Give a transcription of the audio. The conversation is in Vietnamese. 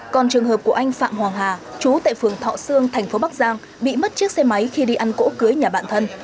còn trường hợp của anh phạm hoàng hà chú tại phường thọ sương thành phố bắc giang bị mất chiếc xe máy khi đi ăn cỗ cưới nhà bạn thân